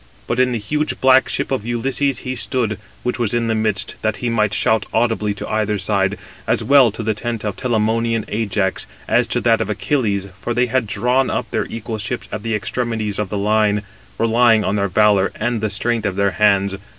But in the huge black ship of Ulysses he stood, which was in the midst, that he might shout audibly to either side, as well to the tent of Telamonian Ajax, as to that of Achilles, for they had drawn up their equal ships at the extremities of the line, relying on their valour and the strength of their hands.